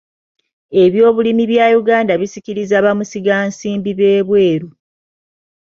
Ebyobulimi bya Uganda bisikirizza bamusigansimbi b'ebweeru.